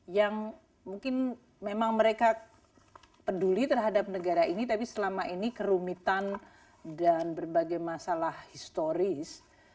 yang mungkin memang mereka peduli terhadap negara ini tapi selama ini kerumitan dan berbagai masalah historis